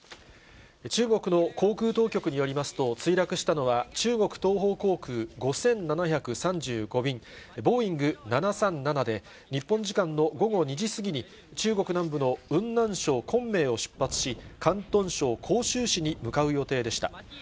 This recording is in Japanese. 中国の航空当局によりますと、墜落したのは、中国東方航空５７３５便、ボーイング７３７で、日本時間の午後２時過ぎに、中国南部の雲南省昆明を出発し、広東省広州市に向かう予定でした。